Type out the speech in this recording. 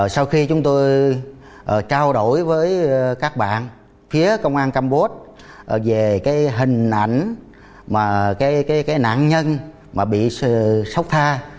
sau khi chúng tôi trao đổi với các bạn phía công an campuchia về hình ảnh nạn nhân bị sốc tha